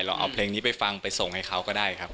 เราเอาเพลงนี้ไปฟังไปส่งให้เขาก็ได้ครับ